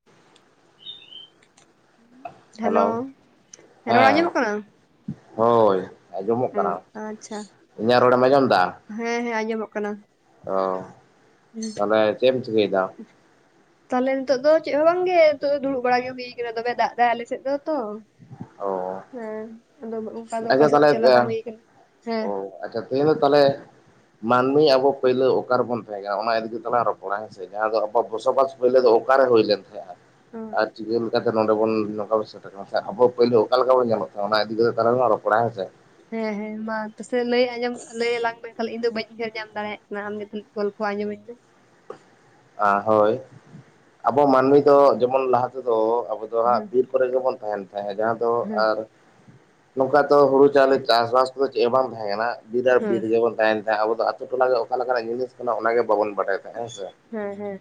[inaudible] Hello, ᱨᱚᱲ ᱦᱮᱸ ᱟᱸᱡᱚᱢᱚᱜ ᱠᱟᱱᱟ? ᱦᱳᱭ ᱟᱸᱡᱚᱢᱚᱜ ᱚ ᱠᱟᱱᱟ᱾ ᱟᱪᱪᱷᱟ ᱤᱧᱟᱜ ᱨᱚᱲᱮᱢ ᱟᱸᱡᱚᱢᱫᱟ? ᱦᱮᱸ ᱦᱮᱸ ᱟᱸᱡᱚᱢᱚᱜ ᱠᱟᱱᱟ᱾ ᱚ, ᱛᱟᱞᱦᱮ ᱪᱮᱫ ᱮᱢ ᱪᱤᱠᱟᱹᱭᱫᱟ? ᱛᱟᱞᱦᱮ ᱱᱤᱛᱳᱜ ᱫᱚ ᱪᱮᱫ ᱦᱚᱸ ᱵᱟᱝᱜᱮ ᱱᱤᱛᱳᱜ ᱫᱩᱲᱩᱵ ᱵᱟᱲᱟ ᱜᱮ ᱦᱩᱭᱩᱜ ᱟᱠᱟᱱᱟ ᱫᱚᱵᱮ ᱫᱟᱜ ᱮᱫᱟ ᱟᱞᱮ ᱥᱮᱫ ᱫᱚ᱾ ᱛᱚ ᱚ ᱦᱮᱸ ᱟᱫᱚ ᱚᱱᱠᱟ ᱫᱚ ᱚᱠᱟ ᱟᱪᱪᱷᱟ ᱥᱮᱫ ᱛᱟᱦᱚᱞᱮ ᱦᱚᱸ ᱪᱟᱞᱟᱣ ᱵᱟᱝ ᱦᱩᱭ ᱟᱠᱟᱱᱟ ᱦᱮᱸ᱾ ᱚ ᱟᱪᱪᱷᱟ ᱛᱮᱦᱮᱧ ᱫᱚ ᱛᱟᱦᱞᱮ ᱢᱟᱹᱱᱢᱤ ᱟᱵᱚ ᱯᱟᱹᱭᱞᱟᱹ ᱚᱠᱟᱨᱮᱵᱚᱱ ᱛᱟᱦᱮᱸ ᱠᱟᱱᱟ ᱚᱱᱟ ᱤᱫᱤ ᱠᱟᱛᱮᱡ ᱨᱚᱯᱚᱲᱟ ᱦᱚᱭ ᱥᱮ ᱡᱟᱦᱟᱸ ᱫᱚ ᱟᱵᱚᱣᱟᱜ ᱵᱚᱥᱚᱵᱟᱥ ᱯᱳᱭᱞᱳ ᱫᱚ ᱚᱠᱟᱨᱮ ᱦᱩᱭ ᱞᱮᱱ ᱛᱟᱦᱮᱸᱜ-ᱟ? ᱚ᱾ ᱟᱨ ᱪᱤᱠᱟᱹ ᱞᱮᱠᱟᱛᱮ ᱱᱚᱸᱰᱮ ᱵᱚᱱ, ᱱᱚᱝᱠᱟ ᱵᱚᱱ ᱥᱮᱴᱮᱨ ᱟᱠᱟᱱᱟ? ᱥᱮ ᱟᱵᱚ ᱯᱳᱭᱞᱳ ᱚᱠᱟᱞᱮᱠᱟ ᱵᱚᱱ ᱧᱮᱞᱚᱜ ᱛᱟᱦᱮᱸ ᱚᱱᱟ ᱤᱫᱤ ᱠᱟᱛᱮᱫ ᱟᱞᱟᱝ ᱞᱟᱝ ᱨᱚᱯᱚᱲᱟ ᱦᱮᱸ ᱥᱮ? ᱦᱮᱸ ᱦᱮᱸ ᱢᱟ ᱛᱚᱥᱮ ᱞᱟᱹᱭ ᱟᱸᱡᱚᱢ, ᱞᱟᱹᱭ ᱟᱞᱟᱝ ᱢᱮ᱾ ᱛᱟᱦᱞᱮ ᱤᱧ ᱫᱚ ᱵᱟᱹᱧ ᱩᱭᱦᱟᱹᱨ ᱧᱟᱢ ᱫᱟᱲᱮᱭᱟᱜ ᱠᱟᱱᱟ, ᱟᱢ ᱜᱮᱛᱮᱱ ᱜᱚᱞᱯᱷᱚ ᱟᱸᱡᱚᱢᱟᱹᱧ ᱢᱮ᱾ ᱟ ᱦᱳᱭ, ᱟᱵᱚ ᱢᱟᱱᱢᱤ ᱫᱚ ᱡᱮᱢᱚᱱ ᱞᱟᱦᱟ ᱛᱮᱫᱚ ᱟᱵᱚ ᱫᱚ ᱦᱟᱸᱜ ᱦᱮᱸ ᱵᱤᱨ ᱠᱚᱨᱮ ᱜᱮᱵᱚᱱ ᱛᱟᱦᱮᱱ ᱛᱟᱦᱮᱸ ᱡᱟᱦᱟᱸ ᱫᱚ ᱦᱮᱸ ᱟᱨ ᱱᱚᱝᱠᱟ ᱛᱚ ᱦᱩᱲᱩ ᱪᱟᱣᱞᱮ ᱪᱟᱥᱵᱟᱥ ᱠᱚᱫᱚ ᱪᱮᱜ ᱦᱚᱸ ᱵᱟᱝ ᱛᱟᱦᱮᱸᱠᱟᱱᱟ᱾ ᱵᱤᱨ ᱟᱨ ᱦᱮᱸ ᱵᱤᱨ ᱨᱮᱜᱮᱵᱚᱱ ᱛᱟᱦᱮᱱ ᱦᱮᱸᱜ, ᱟᱵᱚ ᱫᱚ ᱟᱛᱩ ᱴᱚᱞᱟ ᱨᱮ ᱚᱠᱟ ᱞᱮᱠᱟᱱᱟᱜ ᱡᱤᱱᱤᱥ ᱠᱟᱱᱟ ᱚᱱᱟᱜᱮ ᱵᱟᱵᱚᱱ ᱵᱟᱰᱟᱭ ᱛᱟᱦᱮᱸᱜ ᱦᱮᱸ ᱥᱮ᱾ ᱦᱮᱸ ᱦᱮᱸ᱾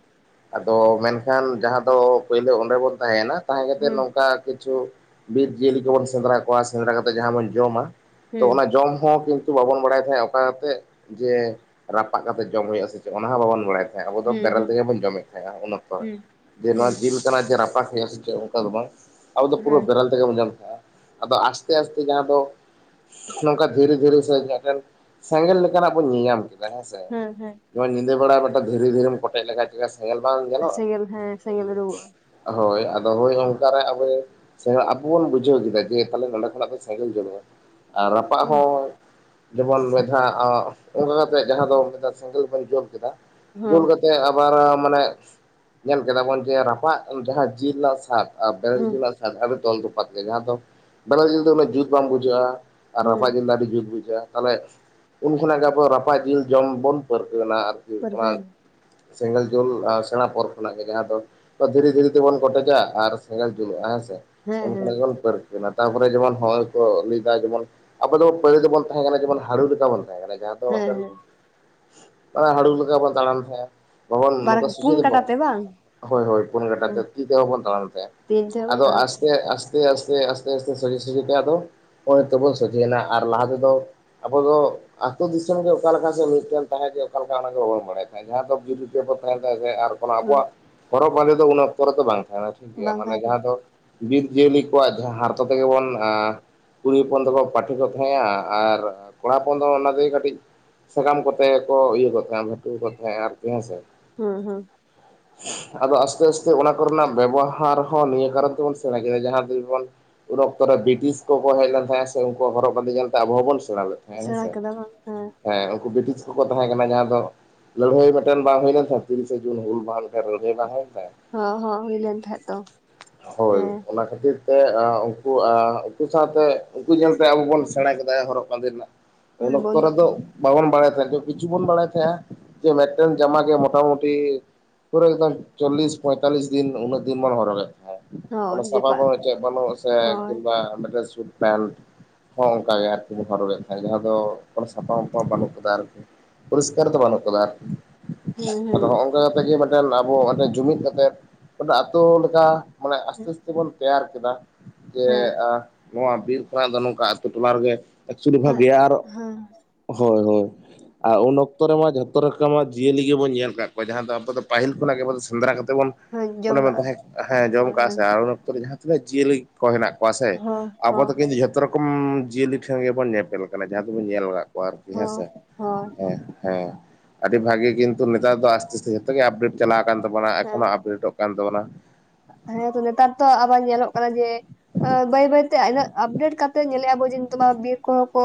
ᱟᱫᱚ ᱢᱮᱱᱠᱷᱟᱱ ᱡᱟᱦᱟᱸ ᱫᱚ ᱯᱟᱹᱭᱞᱟᱹ ᱚᱸᱰᱮ ᱵᱚᱱ ᱛᱟᱦᱮᱸᱭᱮᱱᱟ᱾ ᱛᱟᱦᱮᱸ ᱠᱟᱛᱮᱫ ᱦᱮᱸ ᱱᱚᱝᱠᱟ ᱠᱤᱪᱷᱩ ᱵᱤᱨ ᱡᱤᱭᱟᱹᱞᱤ ᱠᱚᱵᱚᱱ ᱥᱮᱸᱫᱽᱨᱟ ᱠᱚᱣᱟ, ᱥᱮᱸᱫᱽᱨᱟ ᱠᱟᱛᱮᱫ ᱡᱟᱦᱟᱸ ᱵᱚᱱ ᱡᱚᱢᱟ, ᱛᱚ ᱦᱮᱸ ᱚᱱᱟ ᱡᱚᱢ ᱦᱚᱸ ᱠᱤᱱ ᱵᱟᱵᱚᱱ ᱵᱟᱲᱟᱭ ᱛᱟᱦᱮᱸᱜ-ᱟ ᱚᱠᱟ ᱠᱟᱛᱮᱜ ᱡᱮ ᱨᱟᱯᱟᱜ ᱠᱟᱛᱮ ᱡᱚᱢ ᱦᱩᱭᱳᱜ-ᱟ ᱥᱮ ᱪᱮᱫ ᱚᱱᱟ ᱦᱚᱸ ᱵᱟᱵᱚᱱ ᱵᱟᱲᱟᱭ ᱛᱟᱦᱮᱸᱜ-ᱟᱵᱚ᱾ ᱦᱮᱸ ᱵᱮᱨᱮᱞ ᱦᱮᱸ ᱛᱮᱜᱮ ᱵᱚᱱ ᱡᱚᱢᱮᱫ ᱛᱟᱦᱮᱸᱜ-ᱟ ᱩᱱ ᱚᱠᱛᱚ ᱨᱮ ᱦᱮᱸ ᱡᱮ ᱱᱚᱣᱟ ᱡᱤᱞ ᱠᱟᱱᱟ ᱡᱮ ᱨᱟᱯᱟᱠ ᱦᱩᱭᱩᱜ-ᱟ ᱥᱮ ᱪᱮᱫ ᱚᱝᱠᱟ ᱫᱚ ᱵᱟᱝ᱾ ᱟᱵᱚ ᱫᱚ ᱦᱮᱸ ᱯᱩᱨᱟᱹ ᱦᱮᱸ ᱵᱮᱨᱮᱞ ᱛᱮᱜᱮ ᱵᱚᱱ ᱡᱚᱢ ᱛᱟᱦᱮᱸᱜ-ᱟ ᱟᱫᱚ ᱟᱥᱛᱮ ᱟᱥᱛᱮ ᱡᱟᱦᱟᱸ ᱫᱚ ᱱᱚᱝᱠᱟ ᱫᱷᱮᱹᱨᱮᱹ ᱫᱷᱮᱹᱨᱮᱹ ᱥᱮᱡ ᱧᱚᱜ ᱵᱮᱱ ᱥᱮᱸᱜᱮᱞ ᱞᱮᱠᱟᱱᱟᱜ ᱵᱚᱱ ᱧᱮᱧᱟᱢ ᱠᱮᱫᱟ ᱦᱮᱸ ᱥᱮ᱾ ᱡᱮᱢᱚᱱ ᱧᱤᱫᱟᱹ ᱵᱮᱲᱟ ᱢᱮᱴᱮᱡ ᱫᱷᱤᱨᱤ ᱫᱷᱤᱨᱤᱢ ᱠᱚᱴᱮᱡ ᱞᱮᱠᱷᱟᱡ ᱪᱮᱜ-ᱠᱟ ᱥᱮᱸᱜᱮᱞ ᱵᱟᱝ ᱥᱮᱸᱜᱮᱞ ᱦᱮᱸ ᱥᱮᱸᱜᱮᱞ ᱩᱰᱩᱠᱚᱜᱼᱟ ᱧᱮᱞᱚᱜ-ᱟ, ᱦᱳᱭ ᱟᱫᱚ ᱦᱳᱭ ᱚᱝᱠᱟ ᱨᱮ ᱟᱵᱚ ᱥᱮ ᱟᱵᱚ ᱵᱚᱱ ᱵᱩᱡᱷᱟᱹᱣ ᱠᱮᱫᱟ ᱡᱮ ᱛᱟᱦᱞᱮ ᱱᱚᱸᱰᱮ ᱠᱷᱚᱱᱟᱜ ᱫᱚ ᱥᱮᱸᱜᱮᱞ ᱡᱳᱞᱳᱜ-ᱟ ᱟᱨ ᱨᱟᱯᱟᱜ ᱦᱮᱸ ᱦᱚᱸ ᱡᱮᱢᱚᱱ ᱢᱮᱫ ᱫᱷᱟ ᱚᱜ ᱚᱝᱠᱟ ᱠᱟᱛᱮᱜ ᱡᱟᱦᱟᱸ ᱫᱚ ᱢᱤᱫᱷᱟᱣ ᱥᱮᱸᱜᱮᱞ ᱵᱚᱱ ᱡᱳᱞ ᱠᱮᱫᱟ, ᱦᱮᱸ ᱡᱳᱞ ᱠᱟᱛ ᱛᱮ ᱟᱵᱟᱨᱟᱢ ᱢᱟᱱᱮᱜ ᱧᱮᱞ ᱠᱮᱫᱟᱵᱚᱱ ᱡᱮ ᱨᱟᱯᱟᱜ ᱡᱟᱦᱟᱸ ᱡᱤᱞ ᱨᱮᱱᱟᱜ ᱥᱟᱫ ᱟᱨ ᱵᱮᱨᱮᱞ ᱡᱤᱞ ᱦᱮᱸ ᱟᱨ ᱥᱟᱫᱷᱟᱨᱚᱱ ᱛᱚᱞ ᱛᱚᱯᱟᱫ ᱜᱮᱭᱟ, ᱡᱟᱦᱟᱸᱫᱚ ᱵᱮᱨᱮᱞᱡᱤᱞ ᱫᱚ ᱩᱱᱟᱹᱜ ᱡᱩᱛ ᱵᱟᱝ ᱵᱩᱡᱷᱟᱹᱜ-ᱟ᱾ ᱟᱨ ᱨᱟᱯᱟᱜ ᱦᱮᱸ ᱡᱤᱞ ᱫᱚ ᱟᱹᱰᱤ ᱡᱩᱛ ᱵᱩᱡᱷᱟᱹᱜ-ᱟ ᱛᱟᱦᱞᱮ ᱩᱱ ᱠᱷᱚᱱᱟᱜ ᱜᱮ ᱟᱵᱚ ᱨᱟᱯᱟᱜ ᱡᱤᱞ ᱡᱚᱢ ᱵᱚᱱ ᱯᱟᱹᱨᱠᱟᱹᱣᱱᱟ ᱟᱨ ᱯᱟᱹᱨᱠᱟᱹᱣᱮᱱᱟ᱾ ᱥᱮᱸᱜᱮᱞ ᱡᱳᱞ ᱟᱨ ᱥᱮᱬᱟ ᱯᱚᱨ ᱠᱷᱚᱱᱟᱜ ᱜᱮ ᱡᱟᱦᱟᱸ ᱫᱚ ᱱᱚᱝᱠᱟ ᱫᱷᱤᱨᱤ ᱫᱷᱤᱨᱤ ᱛᱮᱵᱚᱱ ᱠᱚᱴᱮᱡᱟ ᱟᱨ ᱥᱮᱸᱜᱮᱞ ᱡᱩᱞᱩᱜ-ᱟ ᱦᱮᱸ ᱥᱮ᱾ ᱦᱮᱸ ᱩᱱ ᱦᱮᱸ ᱠᱷᱚᱱᱟᱜ ᱜᱮᱵᱚᱱ ᱯᱟᱹᱨᱠᱟᱹᱣᱱᱟ᱾ ᱛᱟᱨᱯᱚᱨᱮ ᱡᱮᱢᱚᱱ ᱦᱚᱲ ᱠᱚ ᱞᱟᱹᱭ ᱫᱟ ᱡᱮᱢᱚᱱ ᱟᱵᱚ ᱫᱚ ᱯᱟᱹᱲᱟᱹ ᱫᱮᱵᱚᱱ ᱛᱟᱦᱮᱸ ᱠᱟᱱᱟ ᱡᱮᱢᱚᱱ ᱦᱟᱬᱩ ᱞᱮᱠᱟ ᱵᱚᱱ ᱛᱟᱦᱮᱸ ᱠᱟᱱᱟ ᱡᱟᱦᱟᱸ ᱫᱚ ᱦᱮᱸ ᱢᱮᱫᱴᱮᱱ ᱦᱮᱸ ᱦᱟᱬᱩ ᱞᱮᱠᱟ ᱵᱚᱱ ᱫᱟᱲᱟᱱ ᱛᱟᱦᱮᱸᱜ-ᱟ, ᱡᱮᱢᱚᱱ ᱵᱟᱨ ᱱᱚᱝᱠᱟᱱ ᱯᱩᱱ ᱥᱩᱪᱮᱫᱚ ᱵᱟ, ᱠᱟᱴᱟ ᱛᱮ ᱵᱟᱝ ᱦᱳᱭ ᱦᱳᱭ ᱯᱩᱱ ᱠᱟᱴᱟ ᱦᱮᱸ ᱛᱮ, ᱛᱤ ᱛᱮᱦᱚᱸ ᱵᱚᱱ ᱛᱟᱲᱟᱢ ᱛᱟᱦᱮᱸᱜ-ᱟ᱾ ᱛᱤᱱ ᱴᱷᱮᱡ ᱠᱚ ᱟᱫᱚ ᱛᱟᱲᱟᱢ ᱮᱫ ᱟᱥᱛᱮ ᱛᱟᱦᱮᱸᱫ ᱟᱥᱛᱮ ᱫᱤᱭᱮ ᱟᱥᱛᱮ ᱟᱥᱛᱮ ᱟᱥᱛᱮ ᱟᱥᱛᱮ ᱥᱚᱡᱷᱮ ᱥᱚᱡᱷᱮ ᱛᱮ ᱟᱫᱚ ᱦᱚᱸᱜ-ᱚᱭ ᱦᱤᱸᱛᱚᱜᱵᱚ ᱥᱚᱡᱷᱮᱭᱮᱱᱟ ᱟᱨ ᱞᱟᱦᱟ ᱛᱮᱫᱚ ᱟᱵᱚ ᱫᱚ ᱟᱛᱳ ᱫᱤᱥᱚᱢ ᱜᱮ ᱚᱠᱟ ᱞᱮᱠᱟᱪᱚᱝ ᱢᱤᱫᱴᱮᱱ ᱛᱟᱦᱮᱸᱜ ᱡᱮ ᱚᱠᱟᱞᱮᱠᱟ ᱚᱱᱟᱜᱮ ᱵᱟᱵᱚᱱ ᱵᱟᱲᱟᱭᱟ᱾ ᱡᱟᱦᱟᱸ ᱫᱚ ᱵᱤᱨ ᱨᱮᱜᱮ ᱵᱚ ᱛᱟᱦᱮᱸ ᱠᱟᱱ ᱛᱟᱦᱮᱸᱜ-ᱟ ᱟᱨ ᱚᱱᱟ ᱦᱮᱸ ᱟᱵᱚᱣᱟᱜ ᱦᱚᱨᱚᱜ ᱵᱟᱸᱫᱮ ᱫᱚ ᱩᱱ ᱚᱠᱛᱚ ᱨᱮᱫᱚ ᱵᱟᱝ ᱛᱟᱦᱮᱱᱟ᱾ ᱴᱷᱤᱠ ᱜᱮᱭᱟ, ᱵᱟᱝ ᱢᱟᱱᱮ ᱛᱟᱦᱮᱸ ᱡᱟᱦᱟᱸ ᱠᱟᱱᱟ ᱫᱚ ᱵᱤᱨ ᱡᱤᱭᱟᱹᱞᱤ ᱠᱚᱣᱟᱜ ᱡᱟᱦᱟᱸ ᱦᱟᱨᱛᱚ ᱛᱮᱜᱮ ᱵᱚᱱ ᱟᱸᱼᱼᱼ ᱠᱩᱲᱤ ᱦᱚᱯᱚᱱ ᱫᱚᱠᱚ ᱯᱟᱴᱷᱮᱹ ᱠᱚᱜ ᱛᱟᱦᱮᱸᱜ-ᱟᱸ ᱟᱨ ᱠᱚᱲᱟ ᱦᱚᱯᱚᱱ ᱫᱚ ᱚᱱᱟ ᱛᱮᱜᱮ ᱠᱟᱹᱴᱤᱡᱼ ᱥᱟᱠᱟᱢ ᱠᱚᱛᱮ ᱜᱮ ᱠᱚ ᱤᱭᱟᱹᱠᱚᱜ ᱛᱟᱦᱮᱸᱜ-ᱟ ᱞᱟᱹᱴᱩᱢ ᱠᱚᱜ ᱛᱟᱦᱮᱸᱜ-ᱟᱸ ᱟᱨᱠᱤ ᱦᱮᱸ ᱥᱮ᱾ ᱦᱮᱸ ᱦᱮᱸ [unintelligible] ᱟᱫᱚ ᱟᱥᱛᱮ ᱟᱥᱛᱮ ᱚᱱᱟ ᱠᱚᱨᱮᱱᱟᱜ ᱵᱮᱵᱚᱦᱟᱨ ᱦᱚᱸ ᱱᱤᱭᱟᱹ ᱠᱟᱨᱚᱱ ᱛᱮᱵᱚᱱ ᱥᱮᱬᱟ ᱠᱮᱫᱟ ᱡᱟᱦᱟᱸ ᱛᱤᱨᱮᱵᱚᱱ, ᱩᱱ ᱚᱠᱛᱚ ᱨᱮ ᱵᱤᱴᱤᱥ ᱠᱚᱠᱚ ᱦᱮᱡ ᱞᱮᱱ ᱛᱟᱦᱮᱸᱜ-ᱟ ᱥᱮ ᱩᱱᱠᱩᱣᱟᱜ ᱦᱚᱨᱚᱜ ᱵᱟᱸᱫᱮ ᱧᱮᱞᱛᱮ ᱟᱵᱚ ᱦᱚᱸᱵᱚᱱ ᱥᱮᱬᱟ ᱞᱮᱫ᱾ ᱦᱮᱸ ᱥᱮᱬᱟ ᱦᱮᱸᱥᱮ᱾ ᱠᱮᱫᱟ ᱵᱟᱝ ᱦᱮᱸ ᱩᱱᱠᱩ ᱵᱤᱴᱤᱥ ᱠᱚᱠᱚ ᱛᱟᱦᱮᱸ ᱠᱟᱱᱟ ᱡᱟᱦᱟᱸ ᱫᱚ ᱞᱟᱹᱲᱦᱟᱹᱭ ᱢᱤᱫᱴᱮᱱ ᱵᱟᱝ ᱦᱩᱭ ᱞᱮᱱ ᱛᱟᱦᱮᱸᱜ ᱛᱤᱨᱤᱥᱟ ᱡᱩᱱ ᱦᱩᱞ ᱢᱟᱦᱟ- ᱨᱟᱹᱲᱦᱟᱹᱭ ᱵᱟᱝ ᱦᱳᱭ ᱞᱮᱱ ᱛᱟᱦᱮᱜ-ᱟ? ᱦᱚᱸ ᱦᱚᱸ ᱦᱩᱭ ᱞᱮᱱ ᱛᱟᱦᱮᱸᱫ ᱛᱚ ᱦᱳᱭ ᱦᱮᱸ ᱚᱱᱟ ᱠᱷᱟᱹᱛᱤᱨᱼ ᱛᱮ ᱮᱸ ᱩᱱᱠᱩ ᱟᱸ ᱩᱱᱠᱩ ᱥᱟᱶᱛᱮ ᱩᱱᱠᱩ ᱧᱮᱞᱛᱮ ᱟᱵᱚ ᱵᱚᱱ ᱥᱮᱬᱟ ᱠᱮᱫᱟ ᱦᱚᱨᱚᱜ ᱵᱟᱸᱫᱮ ᱨᱮᱱᱟᱜ᱾ ᱩᱱ ᱚᱠᱛᱚ ᱵᱚᱱᱫᱚ ᱨᱮᱫᱚ ᱵᱟᱵᱚᱱ ᱵᱟᱲᱟᱭ ᱛᱟᱦᱮᱸᱫ, ᱠᱤᱪᱷᱩ ᱵᱚᱱ ᱵᱟᱲᱟᱭ ᱛᱟᱦᱮᱸᱜ-ᱟᱸ᱾ ᱡᱮ ᱢᱮᱴᱮᱱ ᱡᱟᱢᱟ ᱜᱮ ᱢᱚᱴᱟᱢᱩᱴᱤᱼ ᱯᱩᱨᱟᱹ ᱮᱠᱫᱚᱢ ᱪᱚᱞᱞᱤᱥ ᱯᱚᱸᱭᱛᱟᱞᱞᱤᱥ ᱫᱤᱱ ᱩᱱᱟᱹᱜ ᱫᱤᱱ ᱵᱚᱱ ᱦᱚᱨᱚᱜᱮᱫ᱾ ᱚᱱᱟ ᱦᱳᱭ ᱥᱟᱵᱟᱵᱚ ᱡᱮᱯᱟᱜ ᱵᱟᱹᱱᱩᱜ ᱪᱮᱫ ᱵᱟᱹᱱᱩᱜ ᱥᱮ ᱦᱳᱭ ᱠᱤᱢᱵᱟ ᱢᱤᱫᱴᱮᱱ ᱥᱩᱴ ᱯᱮᱱᱴ᱾ ᱦᱚᱸ ᱚᱱᱠᱟᱜᱮ ᱟᱨᱠᱤ ᱵᱚᱱ ᱦᱚᱨᱚᱜᱮᱫ ᱛᱟᱦᱮᱸᱫ, ᱡᱟᱦᱟᱸ ᱫᱚ ᱠᱚᱱᱚ ᱥᱟᱯᱟᱢᱟᱯᱟ ᱵᱟᱹᱱᱩᱜ ᱟᱠᱟᱫᱟ ᱟᱨᱠᱤ᱾ ᱯᱩᱨᱤᱥᱠᱟᱨ ᱫᱚ ᱵᱟᱹᱱᱩᱜ ᱠᱟᱫᱟ ᱟᱨᱠᱤ, ᱦᱮᱸ ᱟᱫᱚ ᱦᱮᱸ ᱦᱚᱸᱜ-ᱚᱝᱼᱼᱼ ᱠᱟᱛᱮ ᱡᱮ ᱢᱤᱫᱴᱮᱱ ᱟᱵᱚ ᱚᱸᱰᱮ ᱡᱩᱢᱤᱫ ᱠᱟᱛᱮᱫ ᱚᱸᱰᱮ ᱟᱛᱳ ᱞᱮᱠᱟ ᱢᱟᱱᱮ ᱟᱥᱛᱮ ᱦᱮᱸ ᱟᱥᱛᱮ ᱵᱚᱱᱼ ᱛᱮᱭᱟᱨ ᱠᱮᱫᱟ ᱦᱮᱸ ᱡᱮ-ᱟ, ᱱᱚᱣᱟ ᱵᱤᱨ ᱠᱷᱚᱱᱟᱜ ᱫᱚ ᱱᱚᱝᱠᱟ ᱟᱛᱩ ᱴᱚᱞᱟ ᱨᱮᱜᱮ ᱮᱠᱪᱩᱭᱤᱞᱤ ᱵᱷᱟᱜᱮᱹᱭᱟ ᱟᱨ ᱦᱳᱭ ᱦᱳᱭ, ᱟᱨ ᱩᱱ ᱚᱠᱛᱚ ᱨᱮᱢᱟ ᱡᱷᱚᱛ- ᱛᱚ ᱨᱚᱠᱚᱢᱟᱜ ᱡᱤᱭᱟᱹᱞᱤ ᱜᱮᱵᱚ ᱧᱮᱞ ᱠᱟᱫ ᱠᱚᱣᱟ, ᱡᱟᱦᱟᱸ ᱫᱚ ᱟᱵᱚ ᱫᱚ ᱯᱟᱦᱤᱞ ᱠᱷᱚᱱᱟᱜ ᱜᱮᱵᱚᱱ ᱥᱮᱸᱫᱽᱨᱟ ᱠᱟᱛᱮ ᱵᱚᱱᱼᱼ ᱚᱱᱮ ᱦᱮᱸ ᱡᱚᱢ ᱢᱮᱱ ᱠᱟᱜᱼᱟ ᱛᱟᱦᱮᱸᱫ ᱦᱮᱸ ᱡᱚᱢ ᱠᱟᱜ-ᱟ ᱥᱮ, ᱟᱨ ᱩᱱ ᱚᱠᱛᱚ ᱨᱮ ᱡᱟᱦᱟᱸᱛᱤᱱᱟᱹᱜ ᱡᱤᱭᱟᱹᱞᱤ ᱠᱚ ᱦᱮᱱᱟᱜ ᱠᱚᱣᱟ ᱥᱮ, ᱦᱚᱸ ᱟᱵᱚ ᱦᱚᱸ ᱫᱚ ᱠᱤᱱᱛᱩ ᱡᱷᱚᱛᱚ ᱨᱚᱠᱚᱢ ᱡᱤᱭᱟᱹᱞᱤ ᱴᱷᱮᱱ ᱜᱮᱵᱚᱱ ᱧᱮᱯᱮᱞ ᱠᱟᱱᱟ ᱡᱟᱦᱟᱸ ᱫᱚᱵᱚᱱ ᱧᱮᱞ ᱵᱟᱲᱟᱜ ᱼᱼ ᱠᱚᱣᱟ ᱟᱨᱠᱤ ᱦᱮᱸ ᱦᱚᱸ ᱥᱮ᱾ ᱦᱳᱭ ᱦᱮᱸ ᱦᱮᱸ᱾ ᱟᱹᱰᱤ ᱵᱷᱟᱹᱜᱤ ᱠᱤᱱᱛᱩ ᱱᱮᱛᱟᱨ ᱫᱚ ᱟᱥᱛᱮ ᱟᱥᱛᱮ ᱡᱷᱚᱛᱚ ᱜᱮ ᱟᱯᱰᱮᱴ ᱪᱟᱞᱟᱣ ᱠᱟᱱ ᱛᱟᱵᱚᱱᱟ ᱮᱠᱷᱚᱱᱚ ᱦᱮᱸ ᱟᱯᱰᱮᱴᱚᱜ ᱠᱟᱱ ᱛᱟᱵᱚᱱᱟ᱾ ᱦᱮᱸ ᱛᱚ ᱱᱮᱛᱟᱨ ᱛᱚ ᱟᱵᱟᱨ ᱧᱮᱞᱚᱜ ᱠᱟᱱᱟ ᱡᱮ, ᱵᱟᱹᱭ ᱵᱟᱹᱭᱼ ᱤᱱᱟᱹᱜ ᱟᱯᱰᱮᱴ ᱠᱟᱛᱮ ᱧᱮᱞᱮᱜ-ᱟᱵᱚ ᱡᱮ, ᱱᱤᱛᱚᱜ ᱵᱤᱨ ᱠᱚᱦᱚᱸ ᱠᱚᱼᱼ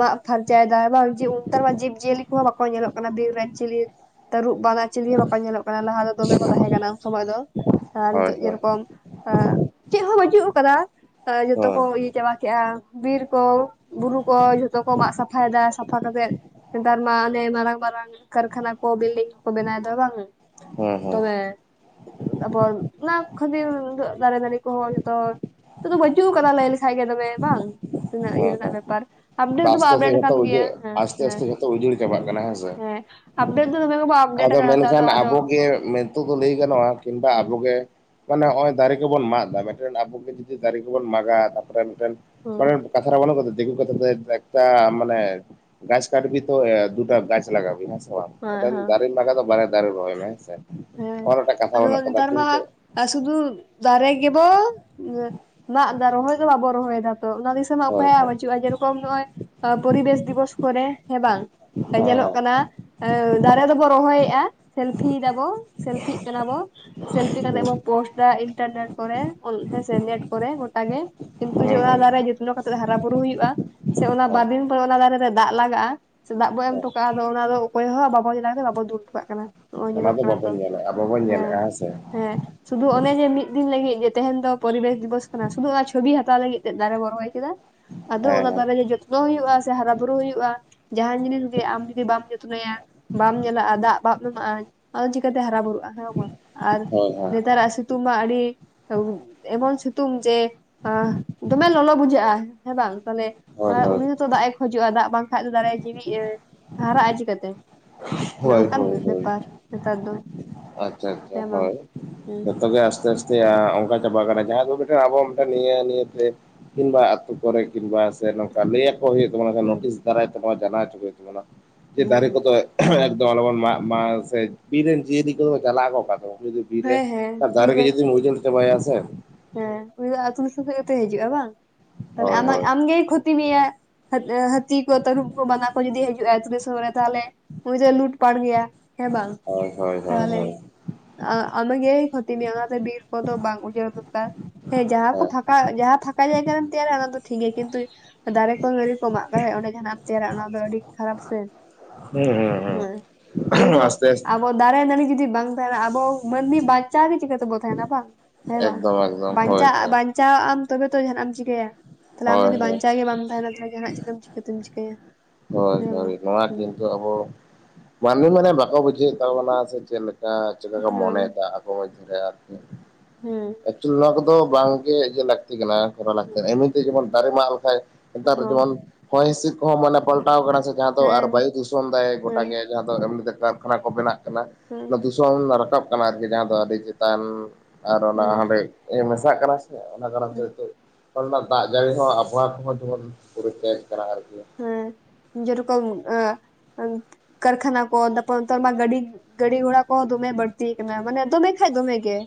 ᱢᱟᱜ ᱯᱷᱟᱨᱪᱟᱭᱫᱟ ᱵᱟᱝ ᱩᱱᱛᱟᱨ ᱢᱟ ᱡᱤᱵᱽ ᱡᱤᱭᱟᱹᱞᱤ ᱠᱚᱦᱚᱸ ᱵᱟᱠᱚ ᱧᱮᱞᱚᱜ ᱠᱟᱱᱟ ᱵᱤᱨ ᱨᱟᱡᱽ ᱡᱤᱭᱟᱹᱞᱤ ᱾ ᱛᱟᱹᱨᱩᱵ ᱵᱟᱱᱟ ᱪᱤᱞᱤ ᱦᱚᱸ ᱵᱟᱠᱚ ᱧᱮᱞᱚᱜ ᱠᱟᱱᱟ ᱞᱟᱦᱟ ᱫᱚᱢᱮ ᱠᱚ ᱛᱟᱦᱮᱸ ᱠᱟᱱᱟ ᱩᱱ ᱥᱚᱢᱚᱭ ᱫᱚ᱾ ᱟᱨ ᱦᱳᱭ ᱱᱤᱛᱚᱜ ᱦᱳᱭ ᱡᱮᱨᱚᱠᱚᱢ, ᱪᱮᱫ ᱦᱚᱸ ᱵᱟᱹᱪᱩᱜ ᱟᱠᱟᱫᱟ ᱡᱚᱛᱚ ᱦᱮᱸ ᱠᱚ ᱤᱭᱟᱹ ᱪᱟᱵᱟ ᱠᱮᱜᱼᱟ, ᱵᱤᱨ ᱠᱚ, ᱵᱩᱨᱩ ᱠᱚ ᱡᱷᱚᱛᱚ ᱠᱚ ᱢᱟᱜ ᱥᱟᱯᱷᱟᱭᱮᱫᱟ, ᱥᱟᱯᱷᱟ ᱠᱟᱛᱮᱫ ᱦᱮᱸᱛᱟᱨ ᱟᱱᱮ ᱢᱟᱲᱟᱝ ᱢᱟᱨᱟᱝ -ᱟᱜ ᱠᱟᱨᱠᱷᱟᱱᱟ ᱠᱚ, ᱵᱤᱞᱰᱤᱝ ᱠᱚ ᱠᱚ ᱵᱮᱱᱟᱣ ᱫᱟ ᱵᱟᱝ ᱦᱮᱸ ᱦᱮᱸ ᱫᱚᱢᱮ᱾ ᱛᱟᱨᱯᱚᱨᱼ ᱚᱱᱟᱠ ᱠᱷᱟᱹᱫᱤᱨ ᱱᱤᱛᱳᱜ ᱫᱟᱨᱮᱹᱫᱟᱨᱮᱹ ᱠᱚᱦᱚᱸ ᱡᱚᱛᱚᱼᱼ ᱱᱤᱛᱳᱜ ᱫᱚ ᱵᱟᱹᱪᱩᱜ ᱠᱟᱫᱟ ᱞᱟᱹᱭ ᱞᱮᱠᱷᱟ ᱜᱮ ᱫᱚᱢᱮ ᱵᱟᱝ, ᱛᱤᱱᱟᱹᱜ ᱤᱭᱟᱹ ᱦᱮᱸ ᱨᱮᱱᱟᱜ ᱦᱮᱸ ᱵᱮᱯᱟᱨ᱾ ᱟᱯᱰᱮᱴ ᱫᱚᱵᱚ ᱟᱥᱛᱮ ᱟᱥᱛᱮ ᱟᱯᱰᱮᱴ ᱡᱷᱚᱛᱚ ᱟᱠᱟᱱ ᱜᱮᱭᱟ ᱩᱡᱟᱹᱲ ᱦᱮᱸ ᱟᱥᱛᱮ ᱦᱮᱸ ᱟᱥᱛᱮ ᱡᱷᱚᱛᱚ ᱩᱡᱟᱹᱲ ᱪᱟᱵᱟᱜ ᱠᱟᱱᱟ ᱦᱮᱸ ᱥᱮ᱾ ᱟᱯᱰᱮᱴ ᱫᱚ ᱫᱚᱢᱮ ᱜᱮᱵᱚ ᱟᱯᱰᱮᱴ ᱟᱫᱚ ᱟᱠᱟᱱᱟ ᱱᱮᱛᱟᱨ ᱫᱚ ᱢᱮᱱᱠᱷᱟᱱ ᱟᱫᱚ ᱟᱵᱚ ᱜᱮ ᱢᱮᱹᱛᱳᱜ ᱫᱚ ᱞᱟᱹᱭ ᱜᱟᱱᱚᱜᱼᱟ, ᱠᱤᱝᱵᱟ ᱦᱩᱸ ᱟᱵᱚᱜ ᱜᱮ ᱢᱟᱱᱮ ᱱᱚᱜ-ᱚᱭ ᱫᱟᱨᱮᱹ ᱠᱚᱵᱚᱱ ᱢᱟᱜ ᱮᱫᱟ, ᱢᱤᱫᱴᱮᱱ ᱟᱵᱚᱜ ᱜᱮ ᱡᱩᱫᱤ ᱫᱟᱨᱮᱹ ᱠᱚᱵᱚᱱ ᱢᱟᱜ-ᱟ ᱾ᱛᱟᱯᱚᱨᱮ ᱨᱮᱱ ᱦᱩᱸ ᱢᱟᱱᱮ ᱠᱟᱛᱷᱟ ᱨᱮ ᱵᱟᱹᱱᱩᱜ ᱟᱠᱟᱫᱟ ᱫᱤᱠᱩ ᱠᱟᱛᱷᱟ ᱛᱮᱼᱼ ᱫᱮᱞᱟ ᱢᱟᱱᱮ ᱜᱟᱪᱷ ᱠᱟᱴᱵᱤ ᱛᱚ ᱫᱩᱴᱟ ᱜᱟᱪᱷ ᱞᱟᱜᱵᱤ ᱦᱮᱸᱥᱮ ᱦᱮᱸ ᱢᱤᱫᱴᱮᱱ ᱦᱮᱸ ᱫᱟᱨᱮᱹᱢ ᱢᱟᱜᱟ ᱫᱚ ᱵᱟᱨᱭᱟ ᱫᱟᱨᱮᱹ ᱨᱚᱦᱚᱭ ᱢᱮ ᱦᱮᱸᱥᱮ ᱾ᱚᱱᱚᱴᱟᱜ ᱠᱟᱛᱷᱟ ᱟᱠᱟᱫᱟ ᱠᱤᱱᱛᱩ᱾ ᱟᱨ ᱥᱩᱫᱩ ᱫᱟᱨᱮᱹ ᱜᱮᱵᱚ ᱢᱟᱜ ᱮᱫᱟ ᱨᱚᱦᱚᱭ ᱫᱚ ᱵᱟᱵᱚ ᱨᱚᱦᱚᱭ ᱫᱟ ᱛᱚ, ᱚᱱᱟ ᱫᱤᱥ ᱛᱮᱢᱟ ᱦᱳᱭ ᱚᱠᱚᱭᱟᱜ ᱵᱟᱹᱪᱩᱜ-ᱟ, ᱡᱮᱨᱚᱠᱚᱢ ᱱᱚᱜ-ᱚᱭ ᱯᱚᱨᱤᱵᱮᱥ ᱫᱤᱵᱚᱥ ᱠᱚᱨᱮ ᱦᱮᱸ ᱵᱟᱝ? ᱧᱮᱞᱚᱜ ᱦᱳᱭ ᱠᱟᱱᱟ ᱫᱟᱨᱮ ᱮᱹ ᱫᱟᱨᱮᱹ ᱫᱚᱵᱚ ᱨᱚᱦᱚᱭᱮᱫᱼᱟ᱾ ᱥᱮᱞᱯᱷᱤ ᱮᱫᱟᱵᱚ ᱥᱮᱞᱯᱷᱤᱜ ᱠᱟᱱᱟ ᱵᱚ᱾ ᱦᱮᱸ ᱥᱮᱞᱯᱷᱤ ᱦᱮᱸ ᱠᱟᱛᱮᱜ ᱦᱩᱸ ᱵᱚ ᱯᱳᱥᱴ ᱫᱟ ᱤᱱᱴᱟᱨᱱᱮᱴ ᱠᱚᱨᱮ ᱚᱱ ᱦᱮᱸᱥᱮ ᱱᱮᱴ ᱠᱚᱨᱮ ᱜᱚᱴᱟᱜ ᱜᱮ, ᱠᱤᱱᱛᱩ ᱡᱮ ᱦᱩᱸ ᱚᱱᱟ ᱫᱟᱨᱮ ᱦᱳᱭ ᱡᱚᱛᱱᱚ ᱠᱟᱛᱮᱜ ᱦᱟᱨᱟ ᱵᱩᱨᱩ ᱦᱩᱭᱩᱜᱼᱟ ᱥᱮ ᱚᱱᱟ ᱵᱟᱨᱫᱤᱱ ᱯᱚ ᱚᱱᱟ ᱫᱟᱨᱮ ᱨᱮ ᱫᱟᱜ ᱞᱟᱜᱟᱜᱼᱟ, ᱥᱮ ᱫᱟᱜ ᱵᱚᱱ ᱮᱢ ᱦᱳᱭ ᱚᱴᱚᱠᱟᱜᱼᱟ ᱟᱫᱚ ᱚᱱᱟᱫᱚ ᱚᱠᱚᱭ ᱦᱚᱸ ᱵᱟᱵᱚᱱ [unintelligible] ᱵᱟᱵᱚᱱ ᱫᱩᱞ ᱴᱚᱠᱟᱜ ᱠᱟᱱᱟ᱾ ᱦᱚᱜᱼᱚᱭ ᱚᱱᱟ ᱧᱮᱞᱚᱜ ᱫᱚ ᱠᱟᱱᱟ ᱵᱟᱵᱚᱱ ᱛᱚ ᱧᱮᱞᱮᱜᱼᱟ ᱟᱵᱚ ᱵᱚᱱ ᱧᱮᱞᱮᱜᱼᱟ ᱦᱮᱸ ᱥᱮ ᱦᱮᱸ, ᱥᱩᱫᱷᱩ ᱚᱱᱮ ᱡᱮ ᱢᱤᱫ ᱫᱤᱱ ᱞᱟᱹᱜᱤᱫ ᱡᱮ ᱛᱟᱦᱮᱸᱱ ᱫᱚ ᱯᱚᱨᱤᱵᱮᱥ ᱫᱤᱵᱚᱥ ᱠᱟᱱᱟ, ᱥᱩᱫᱷᱩ ᱚᱱᱟ ᱪᱷᱚᱵᱤ ᱦᱟᱛᱟᱣ ᱞᱟᱹᱜᱤᱫ ᱛᱮᱫ ᱫᱟᱨᱮ ᱵᱚ ᱨᱚᱦᱚᱭ ᱠᱮᱫᱟ᱾ ᱟᱫᱚ ᱦᱮᱸ ᱚᱱᱟ ᱦᱮᱸ ᱫᱟᱨᱮ ᱜᱮ ᱡᱚᱛᱱᱚ ᱦᱩᱭᱩᱜᱼᱟ ᱥᱮ ᱦᱟᱨᱟ ᱵᱩᱨᱩ ᱦᱩᱭᱩᱜᱼᱟ, ᱡᱟᱦᱟᱸᱱ ᱡᱤᱱᱤᱥ ᱜᱮ ᱟᱢ ᱡᱩᱫᱤ ᱵᱟᱢ ᱡᱚᱛᱱᱚᱭᱟ ᱵᱟᱢ ᱧᱮᱞᱟᱼᱟ ᱟᱨ ᱫᱟᱜ ᱵᱟ [unintelligible] ᱪᱤᱠᱟᱹᱛᱮ ᱦᱟᱨᱟ ᱵᱩᱨᱩᱜᱼᱟ [inaudible] ᱟᱨ ᱦᱳᱭ ᱦᱳᱭ ᱱᱮᱛᱟᱨᱟᱜ ᱥᱤᱛᱩᱝ ᱢᱟ ᱟᱹᱰᱤ, [unintelligible] ᱮᱢᱚᱱ ᱥᱤᱛᱩᱝ ᱡᱮ ᱟᱦ ᱫᱚᱢᱮ ᱞᱚᱞᱚ ᱵᱩᱡᱷᱟᱹᱜᱼᱟ ᱦᱮᱸ ᱵᱟᱝ ᱛᱟᱦᱞᱮ, ᱦᱳᱭ ᱚᱱᱟ ᱩᱱᱤ ᱦᱳᱭ ᱦᱚᱸᱛᱚ ᱫᱟᱜ ᱮ ᱠᱷᱚᱡᱚᱜᱼᱟ ᱫᱟᱜ ᱵᱟᱝ ᱠᱷᱟᱡ ᱫᱚ [unintelligible] ᱡᱮᱣᱤ ᱮ ᱦᱟᱨᱟᱜᱼᱟ ᱪᱤᱠᱟᱹᱛᱮ᱾ ᱚᱱᱮ ᱦᱳᱭ ᱚᱱᱠᱟᱱ ᱦᱳᱭ ᱦᱳᱭ, ᱵᱮᱯᱟᱨ ᱱᱮᱛᱟᱨ ᱫᱚ ᱟᱪᱪᱷᱟ ᱟᱪᱪᱷᱟ ᱦᱮᱸ ᱵᱟᱝ ᱦᱳᱭ ᱦᱮᱸ ᱡᱚᱛᱚᱜ ᱜᱮ ᱟᱥᱛᱮ ᱟᱥ ᱪᱮ-ᱟ ᱚᱱᱠᱟ ᱪᱟᱵᱟ ᱠᱟᱱᱟ ᱡᱟᱦᱟᱸ ᱫᱚ ᱢᱤᱫᱴᱮᱱ ᱟᱵᱚ ᱢᱤᱫᱴᱮᱱ ᱤᱭᱟᱹ ᱱᱤᱭᱟᱹᱛᱮ, ᱠᱤᱝᱵᱟ ᱟᱹᱛᱩ ᱠᱚᱨᱮ ᱠᱤᱝᱵᱟ ᱥᱮ ᱱᱚᱝᱠᱟ ᱞᱟᱹᱭ ᱟᱠᱚ ᱦᱩᱭᱩᱜ ᱛᱟᱢᱟ ᱢᱮᱱᱠᱷᱟᱱ ᱦᱮᱸ ᱱᱚᱳᱴᱤᱥ ᱫᱟᱨᱟᱭ ᱛᱮᱦᱚᱸ ᱡᱟᱱᱟᱣ ᱦᱚᱪᱚᱠᱚ ᱦᱩᱭᱩᱜ ᱛᱟᱢᱟ ᱱᱚᱣᱟ ᱡᱮ ᱫᱟᱨᱮ ᱦᱮᱸ ᱠᱚᱫᱚ ᱮᱠᱫᱚᱢ ᱟᱞᱚᱵᱚᱱ ᱢᱟᱜ ᱢᱟ ᱥᱮ ᱵᱤᱨ ᱨᱮᱱ ᱡᱤᱭᱟᱹᱞᱤ‌ ᱠᱚᱫᱚ ᱪᱟᱞᱟᱜ ᱚᱠᱟ ᱛᱮ [unintelligible] ᱵᱤᱨ ᱨᱮ ᱦᱮᱸ ᱦᱮᱸ ᱵᱤᱨ ᱫᱟᱨᱮ ᱜᱮ ᱨᱮᱱ ᱡᱩᱫᱤᱢ ᱡᱤᱭᱟᱹᱞᱤ ᱩᱡᱟᱹᱲ ᱪᱟᱵᱟᱭ-ᱟ ᱥᱮ, ᱦᱮᱸ ᱩᱱᱤ ᱫᱚ ᱟᱹᱛᱩ ᱫᱤᱥᱚᱢ ᱠᱷᱚᱪ ᱜᱮᱛᱚᱭ ᱦᱤᱡᱩᱜᱼᱟ ᱵᱟᱝ ᱛᱟᱦᱟᱞᱮ ᱦᱳᱭ ᱟᱢᱟᱜ ᱦᱳᱭ ᱟᱢᱜᱮ ᱠᱷᱩ ᱛᱤ ᱢᱮᱭᱟ ᱦᱟᱹᱛ ᱦᱟᱹᱛᱤ ᱠᱚ ᱛᱟᱹᱨᱩᱵ ᱠᱚ ᱵᱟᱱᱟ ᱠᱚ ᱡᱩᱫᱤ ᱦᱤᱡᱩᱜᱼᱟᱭ [unintelligible] ᱛᱟᱦᱟᱞᱮ, ᱩᱱᱤ ᱫᱚᱭ ᱞᱩᱴ ᱯᱟᱴ ᱜᱮᱭᱟ ᱦᱮᱸ ᱵᱟᱝ ᱦᱳᱭ ᱦᱳᱭ ᱦᱳᱭ ᱦᱳᱭ ᱛᱟᱦᱟᱞᱮ, ᱟ ᱟᱢ ᱜᱮᱭ ᱠᱷᱚᱛᱤ ᱢᱮᱭᱟ ᱟᱱᱟᱛᱮ ᱵᱤᱨ ᱠᱚᱫᱚ ᱵᱟᱝ ᱩᱡᱟᱹᱲ ᱫᱚ [unintelligible] ᱦᱮᱸ ᱡᱟᱦᱟᱸ ᱠᱚ ᱯᱷᱟᱠᱟ ᱡᱟᱦᱟᱸ ᱯᱷᱟᱠᱟ ᱡᱟᱭᱜᱟ ᱨᱮ ᱛᱮᱭᱟᱨᱟ ᱚᱱᱟ ᱫᱚ ᱴᱷᱤᱠ ᱜᱮᱭᱟ ᱠᱤᱱᱛᱩ, ᱫᱟᱨᱮ ᱠᱚ ᱱᱟᱹᱲᱤ ᱠᱚ ᱢᱟᱜ [unintelligible] ᱚᱸᱰᱮ ᱡᱟᱦᱟᱱᱟᱜ ᱮᱢ ᱛᱮᱭᱟᱨᱟ ᱚᱱᱟ ᱫᱚ ᱟᱹᱰᱤ ᱠᱷᱟᱨᱟᱯ ᱥᱮ᱾ ᱦᱩᱸ ᱦᱮᱸ ᱦᱩᱸ ᱦᱩᱸ ᱡᱮᱦᱮᱛᱩ ᱟᱥᱛᱮ ᱟᱥ ᱟᱵᱚ ᱫᱟᱨᱮ ᱱᱟᱹᱲᱤ ᱡᱩᱫᱤ ᱵᱟᱝ ᱛᱟᱦᱮᱸᱱᱟ ᱟᱵᱚ ᱢᱟᱹᱱᱢᱤ ᱵᱟᱧᱪᱟᱣ ᱜᱮ ᱪᱤᱠᱟᱹ ᱛᱮᱵᱚ ᱛᱟᱦᱮᱸᱱᱟ ᱵᱟᱝ ᱦᱮᱸ ᱵᱟᱝ᱾ ᱮᱠᱫᱚᱢ ᱮᱠᱫᱚᱢ ᱦᱳᱭ ᱦᱳᱭ ᱵᱟᱧᱪᱟᱣᱮᱜ ᱟᱢ ᱛᱚᱵᱮ ᱛᱚ ᱡᱟᱦᱟᱸᱱᱟᱜ ᱮᱢ ᱪᱤᱠᱟᱹᱭᱟ ᱛᱟᱦᱞᱮ ᱟᱢ ᱦᱳᱭ ᱡᱩᱫᱤ ᱦᱳᱭ ᱵᱟᱧᱪᱟᱣ ᱜᱮ ᱵᱟᱢ ᱛᱟᱦᱮᱸᱱᱟ ᱛᱟᱦᱞᱮ ᱡᱟᱦᱟᱸ ᱱᱟᱜ ᱮᱢ ᱪᱤᱠᱟᱹᱛᱮᱢ ᱪᱤᱠᱟᱹᱭᱟ᱾ ᱦᱳᱭ ᱦᱮᱸ ᱦᱳᱭ ᱵᱟᱝ ᱱᱚᱣᱟ ᱦᱮᱸ ᱠᱤᱱᱛᱩ ᱟᱵᱚ ᱢᱟᱹᱱᱢᱤ ᱢᱟᱱᱮ ᱵᱟᱠᱚ ᱵᱩᱡᱷᱟᱹᱣᱮᱜ ᱛᱟᱵᱚᱱᱟ ᱥᱮ ᱪᱮᱫᱞᱮ [unintelligible] ᱪᱮᱠᱟ ᱠᱚ ᱦᱮᱸ ᱢᱚᱱᱮᱭᱮᱫᱟ ᱟᱠᱚ [unintelligible] ᱦᱮᱸ ᱮᱠᱪᱩᱭᱮᱞᱤ ᱱᱚᱣᱟ ᱠᱚᱫᱚ ᱵᱟᱝ ᱜᱮ ᱤᱭᱟᱹ ᱞᱟᱹᱠᱛᱤ ᱠᱟᱱᱟ ᱠᱚᱨᱟ ᱞᱟᱹᱠᱛᱤ ᱠᱟᱱᱟ ᱮᱢᱱᱤ ᱛᱮ ᱡᱮᱢᱚᱱ ᱫᱟᱨᱮ ᱢᱟᱜ ᱞᱮᱠᱷᱟᱡ ᱱᱮᱛᱟᱨ ᱦᱚᱸ ᱡᱮᱢᱚᱱ, ᱦᱚᱭ ᱦᱤᱸᱥᱤᱫ ᱠᱚᱦᱚᱸ ᱢᱟᱱᱮ ᱯᱟᱞᱴᱟᱣ ᱠᱟᱱᱟ ᱥᱮ ᱡᱟᱦᱟᱸ ᱫᱚ ᱟᱨ ᱦᱮᱸ ᱵᱟᱭᱩ ᱫᱷᱩᱥᱚᱱ ᱫᱟᱭ ᱜᱚᱴᱟ ᱦᱮᱸ ᱜᱮ᱾ ᱡᱟᱦᱟᱸ ᱫᱚ ᱮᱢᱱᱤ ᱛᱮ ᱠᱟᱨᱠᱷᱟᱱᱟ ᱠᱚ ᱵᱮᱱᱟᱜ ᱠᱟᱱᱟ ᱦᱮᱸ ᱚᱱᱟ ᱫᱩᱥᱚᱱ ᱨᱟᱠᱟᱵ ᱠᱟᱱᱟ ᱟᱨᱠᱤ ᱡᱟᱦᱟᱸ ᱫᱚ ᱟᱹᱰᱤ ᱪᱮᱛᱟᱱ᱾ ᱟᱨ ᱚᱱᱟ ᱦᱮᱸ ᱦᱟᱸᱰᱮᱜ ᱢᱮᱥᱟᱜ ᱠᱟᱱᱟ ᱥᱮ ᱚᱱᱟ ᱠᱟᱨᱚᱱ ᱛᱮ ᱦᱮᱸ ᱱᱮᱛᱚᱜ, ᱮᱠᱷᱚᱱ ᱢᱟ ᱫᱟᱜ ᱡᱟᱹᱲᱤ ᱦᱚᱸ ᱟᱵᱚᱦᱟᱣᱟ ᱠᱚᱦᱚᱸ ᱡᱮᱢᱚᱱ [unintelligible] ᱠᱟᱱᱟ ᱟᱨᱠᱤ, ᱦᱮᱸ ᱡᱮᱨᱚᱠᱚᱢ ᱠᱟᱨᱠᱷᱟᱱᱟ ᱠᱚ [unintelligible] ᱢᱟ ᱜᱟᱹᱰᱤ, ᱜᱟᱹᱰᱤ ᱜᱷᱚᱲᱟ ᱠᱚᱦᱚ ᱫᱚᱢᱮ ᱵᱟᱹᱲᱛᱤ ᱠᱟᱱᱟ ᱢᱟᱱᱮ ᱫᱚᱢᱮ ᱠᱷᱟᱱᱡ ᱫᱚᱢᱮ ᱜᱮ᱾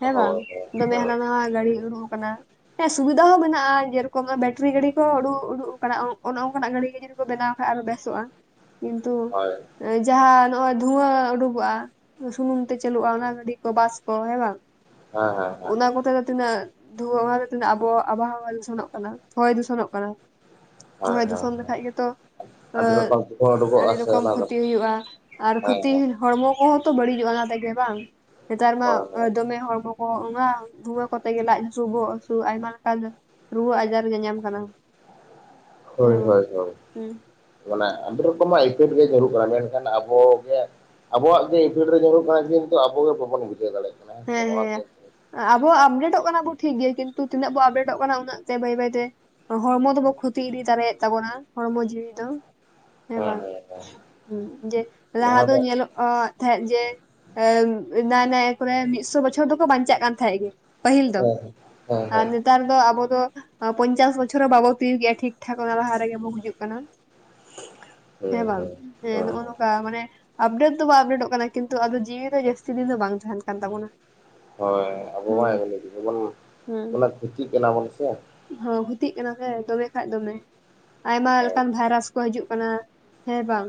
ᱦᱮᱸ ᱵᱟᱝ ᱦᱳᱭ ᱦᱳᱭ ᱫᱚᱢᱮ ᱦᱳᱭ ᱦᱟᱱᱟ ᱱᱟᱣᱟ ᱜᱟᱹᱲᱤ ᱩᱲᱩᱜ ᱠᱟᱱᱟ᱾ ᱦᱮᱸ ᱥᱩᱵᱤᱫᱟ ᱦᱚᱸ ᱢᱮᱱᱟᱜᱼᱟ ᱡᱮᱨᱚᱠᱚᱢ ᱵᱮᱴᱨᱤ ᱜᱟᱹᱰᱤ ᱠᱚ ᱩᱰᱩ ᱩᱰᱩ ᱠᱟᱱᱟ᱾ ᱚᱱᱮ ᱚᱱᱠᱟᱱᱟᱜ ᱜᱟᱹᱲᱤ ᱜᱮ ᱡᱩᱫᱤ ᱠᱚ ᱵᱮᱱᱟᱣ ᱠᱷᱟᱡ ᱟᱨᱚ ᱵᱮᱥᱚᱜᱼᱟ ᱠᱤᱱᱛᱩ, ᱦᱳᱭ ᱡᱟᱦᱟᱸ ᱱᱚᱜ-ᱚᱭ ᱫᱷᱩᱣᱟᱹ ᱩᱰᱩᱠᱚᱜᱼᱟ ᱥᱩᱱᱩᱢ ᱛᱮ ᱪᱟᱹᱞᱩᱜᱼᱟ ᱚᱱᱟ ᱜᱟᱹᱰᱤ ᱠᱚ ᱵᱟᱥ ᱠᱚ ᱦᱮᱸ ᱵᱟᱝ? ᱦᱮ ᱦᱮᱸ᱾ ᱦᱮᱸ ᱚᱱᱟ ᱠᱚᱛᱮ ᱫᱚ ᱛᱤᱱᱟᱹᱜ ᱫᱷᱩᱣᱟᱹ ᱚᱱᱟ ᱛᱮ ᱛᱤᱱᱟᱹᱜ ᱟᱵᱚ ᱟᱵᱚᱦᱟᱣᱟ ᱫᱷᱩᱥᱚᱱᱚᱜ ᱠᱟᱱᱟ ᱦᱚᱭ ᱫᱷᱩᱥᱚᱱᱚᱜ ᱠᱟᱱᱟ᱾ ᱦᱳᱭ ᱫᱷᱩᱥᱚᱱ ᱞᱮᱠᱷᱟᱡ ᱜᱮᱛᱚ, ᱟᱹᱰᱤ ᱨᱚᱠᱚᱢ ᱛᱩᱠᱟᱹ ᱮᱹᱜ ᱟᱹᱰᱤ ᱩᱰᱩᱠᱚᱜᱼᱟ ᱥᱮ ᱨᱚᱠᱚᱢ ᱚᱱᱟ ᱫᱚ ᱠᱷᱚᱛᱤ ᱦᱩᱭᱩᱜᱼᱟ ᱟᱨ ᱦᱮᱸ ᱠᱷᱚᱛᱤ ᱦᱮᱸ ᱦᱚᱲᱢᱚ ᱠᱚᱦᱚᱸ ᱛᱚ ᱵᱟᱹᱲᱤᱡᱚᱜᱼᱟ ᱚᱱᱟ ᱛᱮᱜᱮ ᱵᱟᱝ ᱱᱮᱛᱟᱨ ᱢᱟ ᱦᱳᱭ ᱦᱳᱭ ᱫᱚᱢᱮ ᱦᱚᱲᱢᱚ ᱠᱚ ᱚᱱᱟ ᱫᱷᱩᱣᱟᱹ ᱠᱚᱛᱮ ᱜᱮ ᱞᱟᱡ ᱦᱟᱹᱥᱩ ᱵᱚᱦᱚᱜ ᱦᱟᱹᱥᱩ ᱟᱭᱢᱟ ᱞᱮᱠᱟᱱ ᱨᱩᱣᱟᱹ ᱟᱡᱟᱨ ᱧᱟᱧᱟᱢ ᱠᱟᱱᱟ᱾ ᱦᱮᱸ ᱦᱳᱭ ᱵᱟᱝ ᱦᱳᱭ ᱦᱳᱭ ᱦᱩᱸ ᱢᱟᱱᱮ ᱟᱹᱰᱤ ᱨᱚᱠᱚᱢᱟᱜ ᱤᱯᱷᱮᱴ ᱜᱮ ᱪᱟᱹᱞᱩᱜ ᱠᱟᱱᱟ ᱢᱮᱱᱠᱷᱟᱱ ᱟᱵᱚᱜᱮ ᱟᱵᱚᱣᱟᱜ ᱜᱮ ᱤᱯᱷᱮᱠᱴ ᱨᱮ ᱧᱩᱨᱩᱜ ᱠᱟᱱᱟ ᱠᱤᱱᱛᱩ ᱟᱵᱚ ᱜᱮ ᱵᱟᱵᱚᱱ ᱵᱩᱡᱷᱟᱹᱣ ᱫᱟᱲᱮᱭᱟᱜ ᱠᱟᱱᱟ ᱥᱮ ᱦᱮᱸ ᱱᱚᱣᱟ ᱜᱮ ᱦᱮᱸ ᱟᱵᱚᱣᱟᱜ ᱟᱯᱰᱮᱴᱚᱜ ᱠᱟᱱᱟ ᱵᱚᱱ ᱴᱷᱤᱠ ᱜᱮᱭᱟ ᱠᱤᱱᱛᱩ ᱛᱤᱱᱟᱹᱜ ᱵᱚᱱ ᱟᱯᱰᱮᱴᱚᱜ ᱠᱟᱱᱟ ᱩᱱᱟᱹᱜ ᱛᱮ ᱵᱟᱹᱭ ᱵᱟᱹᱭ ᱛᱮ ᱦᱚᱲᱢᱚ ᱫᱚᱵᱚ ᱠᱷᱚᱛᱤ ᱤᱫᱤ ᱛᱟᱨᱟᱭᱮᱫ ᱛᱟᱵᱚᱱᱟ ᱦᱚᱲᱢᱚ ᱡᱤᱣᱤ ᱫᱚ ᱦᱮᱸ ᱵᱟᱝ ᱦᱩᱸ ᱡᱮ ᱞᱟᱦᱟ ᱫᱚ ᱧᱮᱞᱚᱜ ᱚᱻ ᱛᱟᱦᱮᱸᱫ ᱡᱮ ᱮ ᱱᱟᱭ ᱱᱟᱭ ᱠᱚᱨᱮ ᱢᱤᱫᱥᱚ ᱵᱚᱪᱷᱚᱨ ᱫᱚᱠᱚ ᱵᱟᱧᱪᱟᱜ ᱠᱟᱱ ᱛᱟᱦᱮᱸᱫ ᱜᱮ ᱯᱟᱹᱦᱤᱞ ᱫᱚ ᱦᱮᱸ ᱦᱮᱸ ᱟᱨ ᱦᱮᱸ ᱱᱮᱛᱟᱨ ᱫᱚ ᱟᱵᱚ ᱫᱚ ᱯᱚᱧᱪᱟᱥ ᱵᱚᱪᱷᱚᱨ ᱦᱚᱸ ᱵᱟᱵᱚ ᱛᱤᱭᱩᱜᱮ-ᱟ ᱴᱷᱤᱠ ᱴᱷᱟᱠ ᱚᱱᱟ ᱞᱟᱦᱟ ᱨᱮᱜᱮ ᱵᱚ ᱜᱩᱡᱩᱜ ᱠᱟᱱᱟ ᱦᱮᱸ ᱵᱟᱝ ᱦᱮᱸ ᱱᱚ ᱱᱚᱝᱠᱟ ᱢᱟᱱᱮ ᱟᱯᱰᱮᱴ ᱫᱚ ᱫᱚᱵᱚ ᱟᱯᱰᱮᱴᱚᱜ ᱠᱟᱱᱟ ᱠᱤᱱᱛᱩ ᱟᱫᱚ ᱡᱤᱣᱤ ᱫᱚ ᱡᱟᱹᱥᱛᱤ ᱫᱤᱱ ᱫᱚ ᱵᱟᱝ ᱛᱟᱦᱮᱱ ᱠᱟᱱ ᱛᱟᱵᱚᱱᱟ ᱾ ᱦᱳᱭ ᱟᱵᱚ ᱢᱟ ᱮᱢᱱᱤ ᱛᱮᱜᱮ ᱵᱚᱱ ᱠᱷᱚᱛᱤ ᱠᱟᱱᱟ ᱵᱚᱱ ᱥᱮ ᱦᱳᱸ ᱠᱷᱩᱛᱤᱜ ᱠᱟᱱᱟ ᱦᱮ ᱫᱚᱢᱮ ᱠᱷᱟᱡ ᱫᱚᱢᱮ ᱟᱭᱢᱟ ᱞᱮᱠᱟᱱ ᱵᱷᱟᱭᱨᱟᱥ ᱠᱚ ᱦᱤᱡᱩᱜ ᱠᱟᱱᱟ ᱦᱮᱸ ᱵᱟᱝ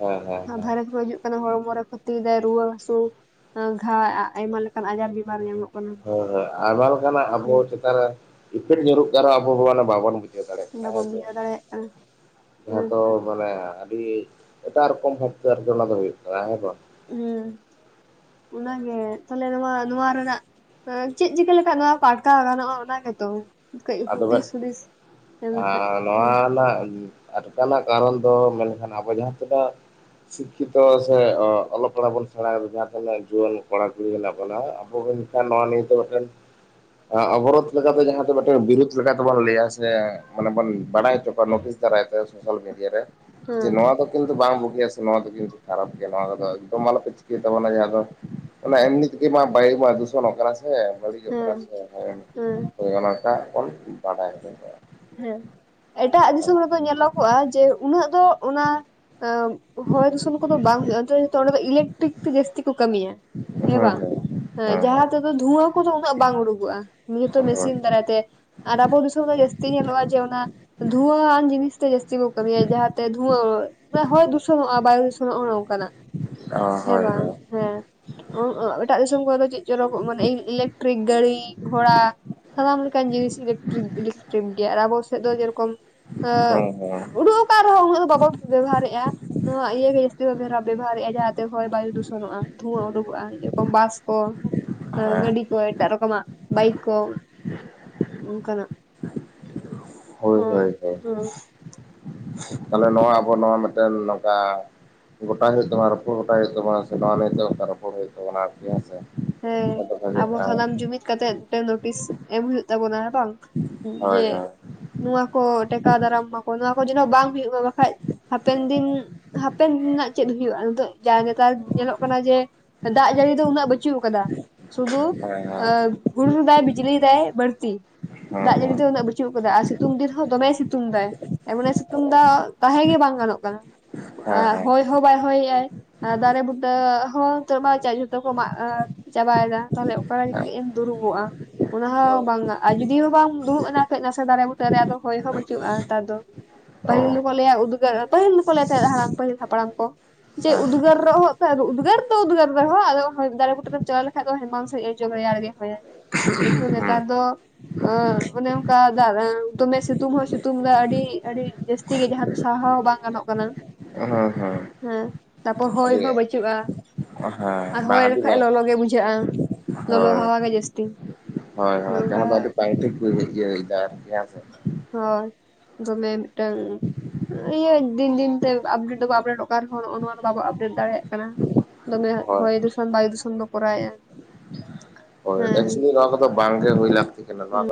ᱦᱮᱸ ᱦᱮᱸ ᱦᱮᱸ ᱵᱷᱟᱭᱨᱟᱥ ᱠᱚ ᱦᱟᱹᱡᱩᱜ ᱠᱟᱱᱟ ᱦᱚᱲᱢᱚ ᱨᱮ ᱠᱷᱚᱛᱤ ᱫᱟᱭ ᱨᱩᱣᱟᱹ ᱦᱟᱹᱥᱩ ᱜᱷᱟ ᱟᱭᱢᱟ ᱞᱮᱠᱟᱱ ᱟᱡᱟᱨ ᱵᱮᱢᱟᱨ ᱧᱟᱢᱚᱜ᱾ ᱠᱟᱱᱟ ᱦᱳᱸ ᱦᱳᱸ ᱟᱭᱢᱟ ᱞᱮᱠᱟᱱᱟᱜ ᱟᱵᱚ ᱦᱮᱸ ᱪᱮᱛᱟᱱ ᱨᱮ ᱤᱯᱷᱮᱠᱴ ᱧᱩᱨᱩᱜ ᱠᱟᱱᱟ ᱨᱮᱦᱚᱸ ᱟᱵᱚ ᱢᱟᱱᱮ ᱵᱟᱵᱚᱱ ᱵᱩᱡᱷᱟᱹᱣ ᱫᱟᱲᱮᱭᱟᱜ ᱠᱟᱱᱟ ᱚᱱᱟ ᱵᱚᱱ ᱦᱮᱸᱥᱮ ᱵᱩᱡᱷᱟᱹᱣ ᱫᱟᱲᱮᱭᱟᱜ ᱠᱟᱱᱟ ᱡᱟᱦᱟᱸ ᱫᱚ ᱢᱟᱱᱮ ᱟᱹᱰᱤ ᱮᱴᱟᱜ ᱨᱚᱠᱚᱢ ᱵᱷᱟᱵᱛᱮ ᱟᱨᱠᱤ ᱚᱱᱟ ᱫᱚ ᱦᱩᱭᱩᱜ ᱠᱟᱱᱟ ᱦᱮᱸ ᱵᱟᱝ ᱦᱩᱸ ᱚᱱᱟᱜᱮ ᱛᱟᱦᱚᱞᱮ ᱱᱚᱣᱟ ᱱᱚᱣᱟ ᱨᱮᱱᱟᱜ ᱪᱮᱫ ᱪᱤᱠᱟᱹ ᱞᱮᱠᱷᱟᱡ ᱱᱚᱣᱟ ᱟᱴᱠᱟᱣ ᱜᱟᱱᱚᱜᱼᱟ ᱚᱱᱟ ᱜᱮᱛᱚ ᱠᱟᱹᱡ ᱟᱫᱚ ᱢᱮᱴ ᱦᱩᱫᱤᱥ ᱦᱩᱫᱤᱥ ᱮᱢ ᱞᱮᱠᱷᱟᱡ ᱱᱚᱣᱟ ᱦᱮᱸ ᱨᱮᱱᱟᱜ ᱟᱴᱠᱟᱣ ᱨᱮᱱᱟᱜ ᱠᱟᱨᱚᱱ ᱫᱚ ᱢᱮᱱᱠᱷᱟᱱ ᱟᱵᱚ ᱡᱟᱦᱟᱸ ᱛᱤᱱᱟᱹᱜ ᱥᱤᱠᱠᱷᱤᱛᱚ ᱥᱮ ᱚᱞᱚᱜ ᱯᱟᱲᱦᱟᱜ ᱵᱚᱱ ᱥᱮᱬᱟᱭᱫᱟ ᱡᱟᱦᱟᱸ ᱛᱤᱱᱟᱹᱜ ᱡᱩᱣᱟᱹᱱ ᱠᱚᱲᱟ ᱠᱩᱲᱤ ᱦᱮᱱᱟᱜ ᱵᱚᱱᱟ ᱟᱵᱚ ᱜᱮ ᱱᱚᱣᱟ ᱱᱤᱭᱟᱹᱛᱮ ᱢᱮᱫᱴᱮᱱ ᱚᱵᱚᱨᱳᱫ ᱞᱮᱠᱟᱛᱮ ᱡᱟᱦᱟᱸ ᱛᱤᱱᱟᱹᱜ ᱵᱤᱨᱩᱫ ᱞᱮᱠᱟᱛᱮᱵᱚᱱ ᱞᱟᱹᱭᱟ ᱥᱮ ᱢᱟᱱᱮ ᱵᱚᱱ ᱵᱟᱰᱟᱭ ᱦᱚᱪᱚ ᱠᱚᱣᱟ ᱱᱳᱴᱤᱥ ᱫᱟᱨᱟᱭ ᱛᱮ ᱥᱳᱥᱟᱞ ᱢᱤᱰᱤᱭᱟ ᱨᱮ ᱡᱮ ᱦᱮᱸ ᱱᱚᱣᱟ ᱫᱚ ᱠᱤᱱᱛᱩ ᱵᱟᱝ ᱵᱩᱜᱤᱭᱟ ᱥᱮ ᱱᱚᱣᱟ ᱫᱚ ᱠᱤᱱᱛᱩ ᱠᱷᱟᱨᱟᱯ ᱜᱮᱭᱟ ᱱᱚᱣᱟ ᱨᱮᱫᱚ ᱮᱫᱚᱢ ᱟᱞᱚᱯᱮ ᱪᱤᱠᱟᱹᱭ ᱛᱟᱵᱚᱱᱟ ᱡᱟᱦᱟᱸ ᱫᱚ ᱚᱱᱟ ᱮᱢᱱᱤ ᱛᱮᱜᱮ ᱢᱟ ᱵᱟᱭᱩ ᱢᱟ ᱫᱩᱥᱚᱱᱚᱜ ᱠᱟᱱᱟ ᱥᱮ ᱠᱟᱱᱟ ᱦᱮᱸ ᱥᱮ ᱦᱮᱸ ᱦᱳᱭ ᱚᱱᱟᱴᱟᱜ ᱵᱚᱱ ᱵᱟᱰᱟᱭ ᱦᱚᱪᱚ ᱠᱟᱣᱟ ᱾ ᱦᱮᱸ ᱮᱴᱟᱜ ᱫᱤᱥᱚᱢ ᱨᱮᱫᱚ ᱧᱮᱞᱚᱜᱚᱜᱼᱟ ᱡᱮ ᱩᱱᱟᱹᱜ ᱫᱚ ᱚᱱᱟ ᱦᱚᱭ ᱫᱩᱥᱚᱱ ᱠᱚᱫᱚ ᱵᱟᱝ ᱦᱩᱭᱩᱜᱼᱟ ᱚᱱᱛᱮ ᱫᱚ ᱡᱚᱛᱚ ᱚᱸᱰᱮ ᱫᱚ ᱤᱞᱮᱠᱴᱨᱤᱠ ᱛᱮ ᱡᱟᱹᱥᱛᱤ ᱠᱚ ᱠᱟᱹᱢᱤᱭᱟ᱾ ᱦᱮᱸ ᱵᱟᱝ ᱦᱮᱸ ᱡᱟᱦᱟᱸ ᱚᱱᱛᱮ ᱫᱚ ᱫᱷᱩᱶᱟᱹ ᱠᱚᱫᱚ ᱩᱱᱟᱹᱜ ᱵᱟᱝ ᱩᱰᱩᱠᱚᱜᱼᱟ ᱡᱮᱦᱚᱛᱚ ᱢᱮᱥᱤᱱ ᱦᱳᱭ ᱫᱟᱨᱟᱭᱛᱮ ᱟᱨ ᱟᱵᱚ ᱫᱤᱥᱚᱢ ᱫᱚ ᱡᱟᱹᱥ ᱛᱤ ᱧᱮᱞᱚᱜᱼᱟ ᱡᱮ ᱚᱱᱟ ᱫᱷᱩᱶᱟᱹ ᱟᱱ ᱡᱤᱱᱤᱥ ᱛᱮ ᱡᱟᱹᱥᱛᱤ ᱠᱚ ᱠᱟᱹᱢᱤᱭᱟ ᱡᱟᱦᱟᱸᱛᱮ ᱫᱷᱩᱶᱟᱹ ᱢᱟᱱᱮ ᱦᱚᱭ ᱫᱩᱥᱚᱱᱚᱜᱼᱟ ᱵᱟᱭᱩ ᱫᱷᱩᱥᱚᱱᱚᱜ ᱚᱱᱮ ᱚᱝᱠᱟᱱᱟᱜ ᱚ ᱦᱮᱸ ᱦᱳᱭ ᱵᱟᱝ? ᱦᱮᱸ ᱮᱴᱟᱜ ᱫᱤᱥᱚᱢ ᱠᱚᱨᱮ ᱫᱚ ᱪᱮᱫ ᱪᱚᱨᱚᱠ ᱢᱟᱱᱮ ᱤᱞᱮᱠᱴᱨᱤᱠ ᱜᱟᱹᱲᱤ ᱜᱷᱚᱲᱟ ᱥᱟᱱᱟᱢ ᱞᱮᱠᱟᱱ ᱡᱤᱱᱤᱥ ᱤᱞᱮᱠᱴᱨᱤᱠ ᱤᱞᱮᱠᱴᱨᱤᱵ ᱜᱮᱭᱟ ᱟᱨ ᱟᱵᱚ ᱥᱮᱫ ᱫᱚ ᱡᱮᱨᱚᱠᱚᱢ ᱦᱳᱭ ᱦᱮᱸ ᱦᱮᱸ ᱩᱰᱩᱠ ᱛᱟ ᱨᱮᱦᱚᱸ ᱩᱱᱟᱹᱜ ᱫᱚ ᱵᱟᱵᱚ ᱵᱮᱵᱚᱦᱟᱨᱮᱫᱼᱟ᱾ ᱱᱚᱣᱟ ᱤᱭᱟᱹ ᱜᱮ ᱡᱟᱹᱥᱛᱤ ᱵᱮᱵᱚᱦᱟᱨᱮᱜᱼᱟ ᱡᱟᱦᱟᱛᱮ ᱦᱚᱭ ᱵᱟᱭᱩ ᱫᱷᱩᱥᱚᱱᱚᱜᱼᱟ ᱫᱷᱩᱶᱟᱹ ᱩᱰᱩᱠᱚᱜᱼᱟ ᱡᱚᱨᱚᱠᱚᱢ ᱵᱟᱥ ᱠᱚ᱾ ᱦᱟᱸ ᱦᱮᱸ ᱜᱟᱹᱰᱤ ᱠᱚ ᱮᱴᱟᱜ ᱨᱚᱠᱚᱢᱟᱜ ᱵᱟᱭᱤᱠ ᱠᱚ ᱚᱱᱠᱟᱱᱟᱜ᱾ ᱦᱳᱭ ᱦᱚᱸ ᱦᱳᱭ ᱦᱳᱭ ᱦᱚᱸ ᱛᱟᱞᱦᱮ ᱱᱚᱣᱟ ᱟᱵᱚ ᱱᱚᱣᱟ ᱢᱤᱫᱴᱮᱱ ᱛᱟ ᱜᱚᱴᱟ ᱦᱩᱭᱩᱜ ᱛᱟᱢᱟ ᱨᱚᱯᱚᱲ ᱜᱚᱴᱟᱭ ᱦᱩᱭᱩᱜ ᱛᱟᱢᱟ ᱥᱮ ᱱᱚᱣᱟ ᱢᱮᱱ ᱫᱚ ᱚᱱᱠᱟ ᱨᱚᱯᱚᱲ ᱦᱩᱭᱩᱜ ᱛᱟᱵᱚᱱᱟ ᱦᱮᱸᱥᱮ᱾ ᱦᱮᱸ ᱟᱫᱚ ᱟᱵᱚ ᱵᱷᱟᱜᱮᱜᱼᱟ ᱥᱟᱱᱟᱢ ᱡᱩᱢᱤᱫ ᱠᱟᱛᱮᱜ ᱢᱤᱫᱴᱮᱱ ᱱᱳᱴᱤᱥ ᱮᱢ ᱦᱩᱭᱩᱜ ᱛᱟᱵᱚᱱᱟ ᱦᱮᱸ ᱵᱟᱝ? ᱡᱮ ᱦᱳᱭ ᱦᱳᱭ ᱱᱚᱣᱟ ᱠᱚ ᱴᱮᱠᱟᱣ ᱫᱟᱨᱟᱢ ᱢᱟᱠᱚ ᱱᱚᱣᱟ ᱠᱚ ᱡᱮᱢᱱᱚ ᱵᱟᱝ ᱦᱩᱭᱩᱜ ᱢᱟ ᱵᱟᱠᱷᱟ ᱦᱟᱯᱮᱱ ᱫᱤᱱ ᱦᱟᱯᱮᱱ ᱨᱮᱱᱟᱜ ᱫᱤᱱ ᱪᱮᱫ ᱦᱩᱭᱩᱜ-ᱟ ᱱᱤᱛᱚᱜ ᱡᱟ ᱱᱮᱛᱟᱨ ᱧᱮᱞᱚᱜ ᱠᱟᱱᱟ ᱡᱮ ᱫᱟᱜ ᱡᱟᱹᱲᱤ ᱫᱚ ᱩᱱᱟᱹᱜ ᱵᱟᱪᱩ ᱠᱟᱫᱟ ᱥᱩᱫᱩ ᱦᱮᱸ ᱦᱮᱸ ᱦᱮᱸ ᱟᱸ ᱦᱩᱰᱩᱲ ᱫᱟᱭ ᱵᱤᱡᱤᱞᱤ ᱫᱟᱭ ᱵᱟᱹᱲᱛᱤ᱾ ᱫᱟᱜ ᱡᱟᱹᱲᱤ ᱦᱮᱸ ᱫᱚ ᱩᱱᱟᱹᱜ ᱵᱟᱹᱪᱩᱜ ᱟᱠᱟᱫᱟ ᱟᱨ ᱥᱤᱛᱩᱝ ᱫᱤᱱᱦᱚᱸ ᱫᱚᱢᱮ ᱥᱤᱛᱩᱝ ᱫᱟᱭ ᱾ ᱮᱢᱚᱱ ᱮ ᱥᱤᱛᱩᱝ ᱫᱟ ᱛᱟᱦᱮᱸ ᱜᱮ ᱵᱟᱝ ᱜᱟᱱᱚᱜ ᱠᱟᱱᱟ ᱦᱮᱸ ᱦᱮᱸ ᱦᱚᱭ ᱦᱚᱸ ᱵᱟᱭ ᱦᱚᱭᱮᱜ-ᱟ ᱟᱨ ᱫᱟᱨᱮ ᱵᱩᱴᱟᱹ ᱦᱚᱸ ᱱᱤᱛᱚᱜ ᱢᱟ ᱡᱚᱛᱚ ᱠᱚ ᱢᱟᱜ ᱪᱟᱵᱟᱭᱫᱟ ᱛᱟᱦᱚᱞᱮ ᱚᱠᱟ ᱨᱮ ᱦᱮᱸ ᱮᱢ ᱫᱩᱲᱩᱵᱚᱜ-ᱟ᱾ ᱚᱱᱟ ᱦᱚᱸ ᱦᱳᱭ ᱵᱟᱝᱟ ᱟᱨ ᱡᱩᱫᱤ ᱦᱚᱸ ᱵᱟᱝᱢ ᱫᱩᱲᱩᱵ ᱮᱱᱟ ᱠᱟᱹᱡ ᱱᱟᱥᱮ ᱫᱟᱨᱮ ᱵᱩᱴᱟᱹ ᱨᱮ ᱟᱫᱚ ᱦᱚᱭ ᱦᱚᱸ ᱵᱟᱹᱪᱩᱜ-ᱟ ᱱᱮᱛᱟᱨ ᱫᱚ᱾ ᱯᱟᱹᱦᱤᱞ ᱫᱚ ᱚ ᱠᱚ ᱞᱟᱹᱭᱟ ᱩᱫᱽᱜᱟᱹᱨ ᱯᱟᱹᱦᱤᱞ ᱫᱚ ᱠᱚ ᱞᱟᱹᱭᱟ ᱛᱟᱦᱟᱡ ᱯᱟᱹᱦᱤᱞ ᱦᱟᱯᱲᱟᱢ ᱠᱚ ᱡᱮ ᱦᱮᱸ ᱩᱫᱽᱜᱟᱹᱨ ᱨᱚᱦᱚᱜ ᱛᱮ ᱟᱨᱩᱵ ᱩᱫᱽᱜᱟᱹᱨ ᱫᱚ ᱩᱫᱽᱜᱟᱹᱨ ᱨᱮᱦᱚᱸ ᱟᱫᱚ ᱫᱟᱨᱮ ᱵᱩᱴᱟᱹ ᱨᱮᱢ ᱪᱟᱞᱟᱣ ᱞᱮᱠᱟᱡ ᱫᱚ ᱦᱮᱢᱟᱞ ᱥᱟᱦᱤᱡ ᱮ ᱡᱚᱜ ᱨᱮᱭᱟᱲ ᱜᱮ᱾ ᱦᱳᱭ ᱠᱤᱱᱛᱩ ᱱᱮᱛᱟᱨ ᱫᱚ ᱚᱱᱮ ᱚᱱᱠᱟ ᱫᱟᱨᱮ ᱫᱚᱢᱮ ᱥᱤᱛᱩᱝ ᱦᱚᱸᱭ ᱥᱤᱛᱩᱝ ᱥᱤᱛᱩᱝ ᱫᱟᱭ ᱟᱹᱰᱤ ᱟᱹᱰᱤ ᱡᱟᱹᱥᱛᱤ ᱜᱮ ᱡᱟᱦᱟᱸ ᱫᱚ ᱥᱟᱦᱟᱣ ᱦᱚᱸ ᱵᱟᱝ ᱜᱟᱱᱚᱜ ᱠᱟᱱᱟ ᱾ ᱦᱩᱸ ᱦᱩᱸ ᱦᱩᱸ ᱦᱮᱸ ᱛᱟᱯᱚᱨ ᱦᱚᱭ ᱟᱹᱰᱤ ᱦᱚᱸ ᱵᱟᱹᱪᱩᱜ-ᱟ᱾ ᱟᱨ ᱦᱮᱸ ᱵᱟᱝ ᱦᱚᱭ ᱟᱹᱰᱤ ᱞᱮᱠᱷᱟᱡ ᱵᱟᱝ ᱞᱚᱞᱚ ᱜᱮ ᱵᱩᱡᱷᱟᱹᱜᱼᱟ ᱞᱚᱞᱚ ᱦᱳᱭ ᱦᱟᱣᱟ ᱜᱮ ᱡᱟᱹᱥᱛᱤ᱾ ᱦᱳᱭ ᱚᱱᱮ ᱦᱳᱭ ᱚᱱᱠᱟ ᱡᱟᱦᱟᱸ ᱫᱚ [unintelligible] ᱦᱳᱭ ᱫᱚᱢᱮ ᱢᱤᱫᱴᱟᱝ ᱤᱭᱟᱹ ᱫᱤᱱ ᱫᱤᱱ ᱛᱮ ᱟᱯᱰᱮᱴ ᱫᱚ ᱠᱚ ᱟᱯᱰᱮᱴ ᱱᱮᱛᱟᱨ ᱦᱚᱲ ᱱᱚᱜᱼᱚ ᱱᱚᱣᱟ ᱫᱚ ᱵᱟᱵᱚ ᱟᱯᱰᱮᱴ ᱫᱟᱲᱮᱭᱟᱜ ᱠᱟᱱᱟ᱾ ᱫᱚᱢᱮ ᱦᱳᱭ ᱦᱚᱭ ᱫᱷᱩᱥᱚᱱ ᱵᱟᱭᱩ ᱫᱷᱩᱥᱚᱱ ᱵᱚ ᱠᱚᱨᱟᱣᱮᱫᱼᱟ ᱾ ᱦᱳᱭ [unintelligible] ᱱᱚᱣᱟ ᱠᱚᱫᱚ ᱵᱟᱝᱜᱮ ᱦᱩᱭ ᱞᱟᱹᱠᱛᱤ ᱠᱟᱱᱟ ᱱᱚᱣᱟ ᱠᱚᱫᱚ